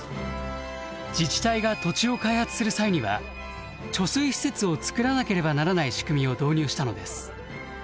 自治体が土地を開発する際には貯水施設をつくらなければならない仕組みを導入したのです。